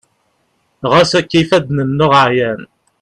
ɣas akka ifadden-nneɣ ɛyan